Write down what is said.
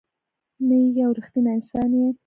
ته یو رښتنی انسان یې.